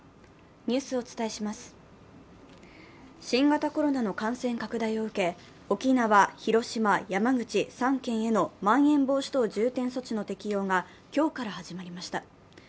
新型コロナの感染拡大を受け、沖縄、広島、山口３県へのまん延防止等重点措置の適用が今日から始まりました。